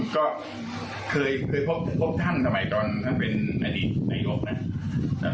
แต่ก็ไม่ได้เห็นกันแล้ว